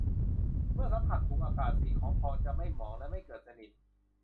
เมื่อสัมผัสถูกอากาศสีของทองจะไม่หมองและไม่เกิดสนิม